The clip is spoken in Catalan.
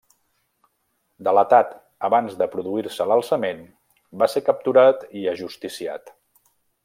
Delatat abans de produir-se l'alçament, va ser capturat i ajusticiat.